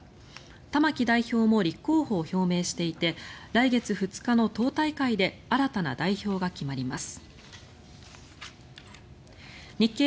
玉木代表も立候補を表明していて来月２日の党大会で新たな代表が決まります。